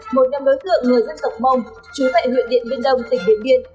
một nhóm đối tượng người dân tộc mông trú tại huyện điện biên đông tỉnh biển biên